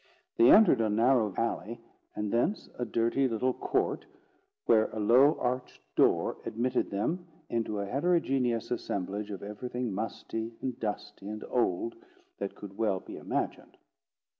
They entered a narrow alley, and thence a dirty little court, where a low arched door admitted them into a heterogeneous assemblage of everything musty, and dusty, and old, that could well be imagined.